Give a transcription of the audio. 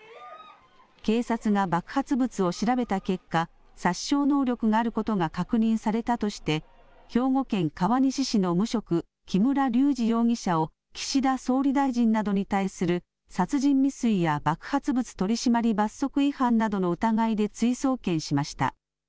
警察が爆発物を調べた結果、殺傷能力があることが確認されたとして、兵庫県川西市の無職、木村隆二容疑者を岸田総理大臣などに対する殺人未遂や爆発物取締罰則違反などの疑いで追送検しました。